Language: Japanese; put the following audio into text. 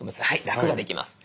楽ができます。